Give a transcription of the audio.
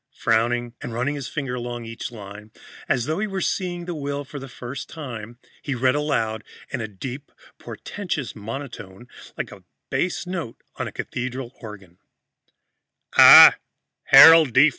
Frowning and running his finger along each line, as though he were seeing the will for the first time, he read aloud in a deep portentous monotone, like a bass note on a cathedral organ. "I, Harold D.